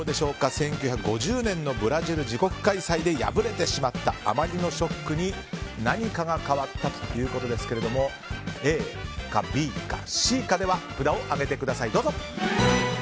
１９５０年のブラジル自国開催で敗れてしまったあまりのショックに何かが変わったということですが札を上げてください、どうぞ。